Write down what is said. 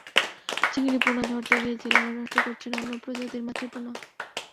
চিংড়ি পোনা ধরতে গিয়ে জেলেরা নষ্ট করছেন অন্য প্রজাতির মাছের পোনা।